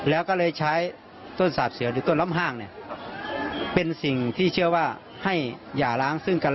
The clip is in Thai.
แล้วก็เลยใช้ต้นสาบเสือหรือต้นล่อมห้างเนี่ยเป็นสิ่งที่เชื่อว่าให้อย่าล้างซึ่งกัน